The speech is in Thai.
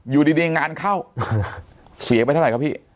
อยู่ดีงานเข้าเสียไปเท่าไหร่เฮะ